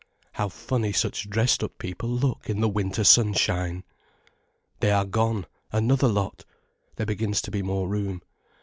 How funny such dressed up people look in the winter sunshine! They are gone—another lot! There begins to be more room.